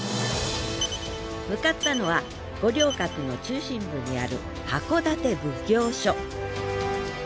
向かったのは五稜郭の中心部にある箱館奉行所。